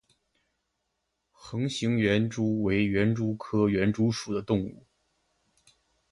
横形园蛛为园蛛科园蛛属的动物。